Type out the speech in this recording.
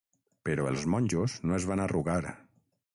Però els monjos no es van arrugar.